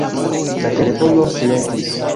La telefono silentis.